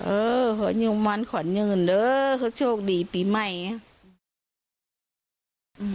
เออขอโชคดีปีใหม่